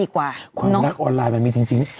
ความรักออนไลน์มันมีจริง